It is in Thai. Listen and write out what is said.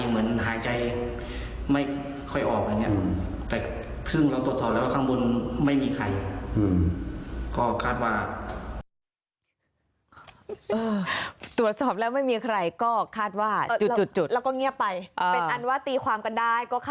เหมือนหายใจไม่ค่อยออก